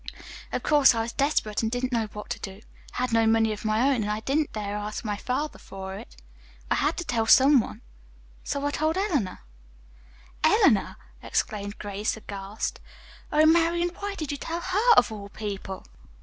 "Of course, I was desperate and didn't know what to do. I had no money of my own, and I didn't dare ask my father for it. I had to tell some one, so I told Eleanor." "Eleanor!" exclaimed Grace aghast. "Oh, Marian, why did you tell her of all people."